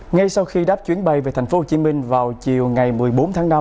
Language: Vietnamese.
ngay sau khi đáp chuyến bay về tp hcm vào chiều ngày một mươi bốn tháng năm